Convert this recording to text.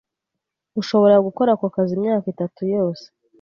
ushobora gukora ako kazi imyaka itatu yose